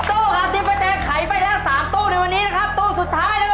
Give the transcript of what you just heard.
ตู้ที่๒ป้าแจงจะได้เงินโบนัสเท่าไร